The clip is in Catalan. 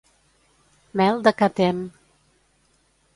Mel de ca Tem.